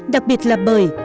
đặc biệt là bởi